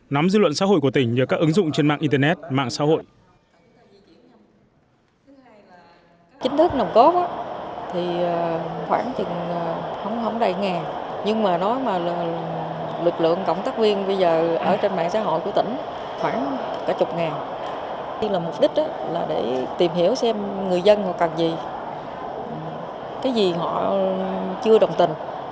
nắm dư luận xã hội của tỉnh nhờ các ứng dụng trên mạng internet mạng xã hội